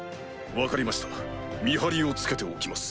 分かりました見張りをつけておきます。